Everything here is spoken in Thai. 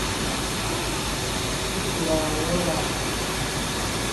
พิษสุราเรื้อรัง